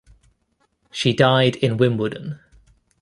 She died in Wimbledon.